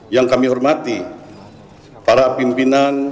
yang kami hormati para pendahulu kami sebagai gubernur bank indonesia